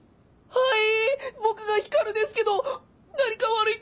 はい。